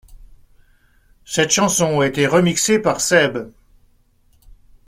Cette chanson a été remixée par SeeB.